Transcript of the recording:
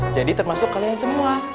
jadi termasuk kalian semua